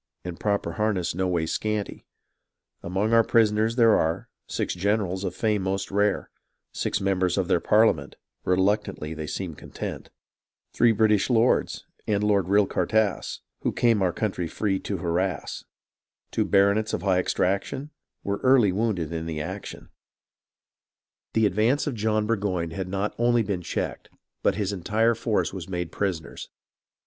And proper harness no ways scanty. Among our prisoners there are Six generals of fame most rare : Six members of their parliament Reluctantly they seem content : Three British lords, and Lord Rilcartas Who came our countrv free to harass 2442 219S IIOO 12 528 400 300 1220 600 413 300 > 4413 14000 BURGOYNE'S SURRENDER 2II Two baronets of high extraction Were early wounded in the action. The advance of John Burgoyne had not only been checked, but his entire force was made prisoners.